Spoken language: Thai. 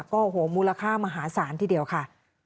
โอ้โหมูลค่ามหาศาลทีเดียวค่ะ